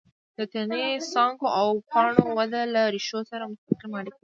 د تنې، څانګو او پاڼو وده له ریښو سره مستقیمه اړیکه لري.